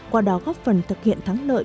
qua đào góp phần thực hiện thắng lợi